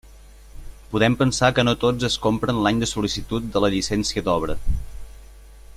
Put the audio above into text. Podem pensar que no tots es compren l'any de sol·licitud de la llicència d'obra.